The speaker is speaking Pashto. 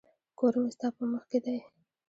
کور مي ستا په مخ کي دی.